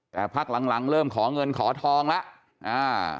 แต่พักหลังเริ่มขอเงินขอทองแล้ว